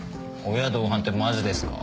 親同伴ってマジですか？